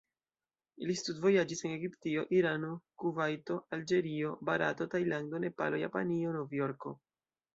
Li studvojaĝis en Egiptio, Irano, Kuvajto, Alĝerio, Barato, Tajlando, Nepalo, Japanio, Novjorko.